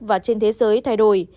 và trên thế giới thay đổi